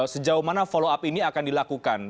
sejauh mana follow up ini akan dilakukan